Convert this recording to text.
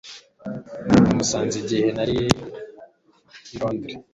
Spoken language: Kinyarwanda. Namusanze igihe nari i Londres